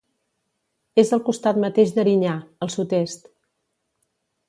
És al costat mateix d'Erinyà, al sud-est.